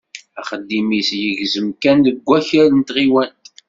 Axeddim-is yegzem kan deg wakal n tɣiwant.